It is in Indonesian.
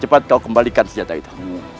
cepat kau kembalikan senjata itu